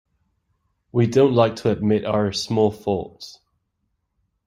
We don't like to admit our small faults.